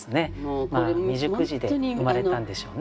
未熟児で生まれたんでしょうね。